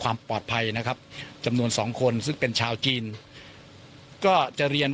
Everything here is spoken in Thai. ความปลอดภัยนะครับจำนวนสองคนซึ่งเป็นชาวจีนก็จะเรียน